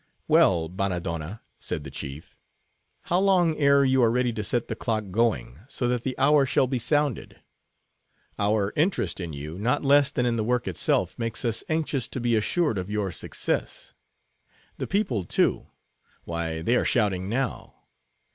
"Well, Bannadonna," said the chief, "how long ere you are ready to set the clock going, so that the hour shall be sounded? Our interest in you, not less than in the work itself, makes us anxious to be assured of your success. The people, too,—why, they are shouting now.